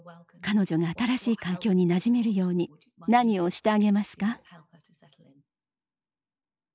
彼女が新しい環境になじめるように何をしてあげますか？